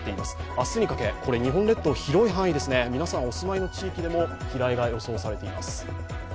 明日にかけ、日本列島の広い範囲で皆さん、お住まいの地域でも飛来が予想されています。